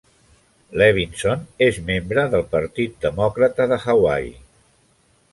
Levinson és membre del Partit Demòcrata de Hawaii.